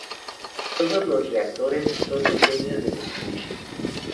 Todos los reactores son diseños de Mitsubishi.